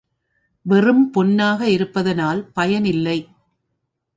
வெறும் பொன்னாக இருப்பதனால் பயன் இல்லை.